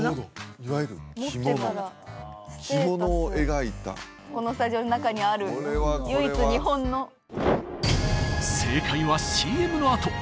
いわゆる着物着物を描いたこのスタジオの中にある唯一日本の正解はＣＭのあと！